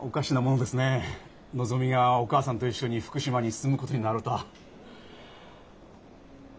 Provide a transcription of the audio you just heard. のぞみがお義母さんと一緒に福島に住むことになろうとは。